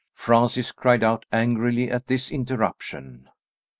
Francis cried out angrily at this interruption.